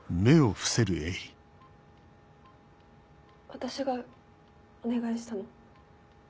私がお願いしたの。